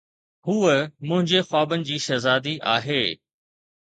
هوءَ منهنجي خوابن جي شهزادي آهي.